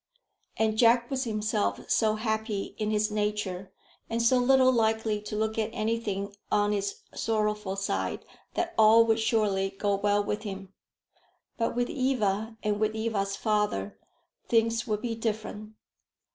And Jack was himself so happy in his nature, and so little likely to look at anything on its sorrowful side, that all would surely go well with him. But with Eva, and with Eva's father, things would be different.